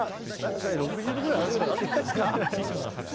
それ６０度ぐらいあるんじゃないですか？